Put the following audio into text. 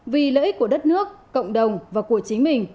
vì lợi ích của đất nước cộng đồng và của chính mình